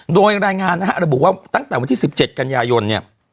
โดยรายงานนะฮะระบุว่าตั้งแต่วันที่๑๗กันยายนเนี่ย